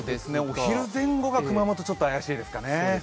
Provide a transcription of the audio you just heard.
お昼前後が熊本、ちょっと怪しいですね。